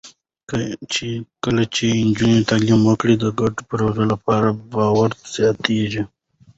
کله چې نجونې تعلیم ولري، د ګډو پروژو لپاره باور زیاتېږي.